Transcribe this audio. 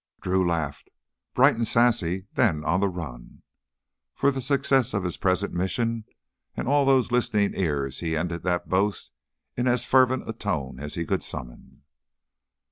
Drew laughed. "Bright and sassy, then on the run!" For the success of his present mission and all those listening ears he ended that boast in as fervent a tone as he could summon.